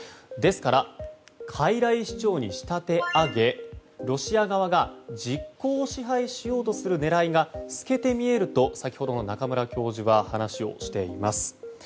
ですから、傀儡市長に仕立て上げロシア側が実効支配しようとする狙いが透けて見えると、先ほどの中村教授は話をしています。